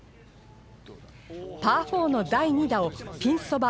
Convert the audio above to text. パー４の第２打をピンそば